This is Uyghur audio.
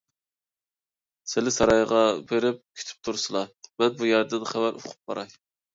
سىلى سارايغا بېرىپ كۈتۈپ تۇرسىلا، مەن بۇ يەردىن خەۋەر ئۇقۇپ باراي.